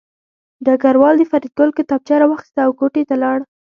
ډګروال د فریدګل کتابچه راواخیسته او کوټې ته لاړ